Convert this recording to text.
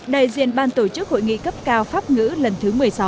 đại diện ban tổ chức hội nghị cấp cao pháp ngữ lần thứ một mươi sáu